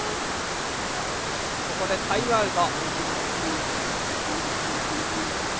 ここでタイムアウト。